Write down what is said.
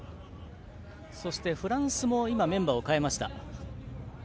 フランスもメンバーを代えました。